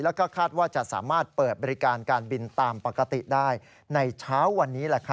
แล้วก็คาดว่าจะสามารถเปิดบริการการบินตามปกติได้ในเช้าวันนี้